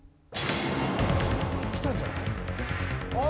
きたんじゃない？